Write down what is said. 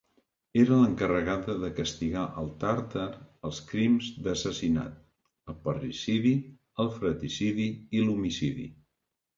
Era l'encarregada de castigar al Tàrtar els crims d'assassinat: el parricidi, el fratricidi, i l'homicidi.